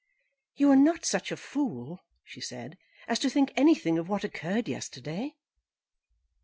"You are not such a fool," she said, "as to think anything of what occurred yesterday?"